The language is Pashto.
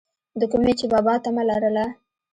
دَکومې چې بابا طمع لرله،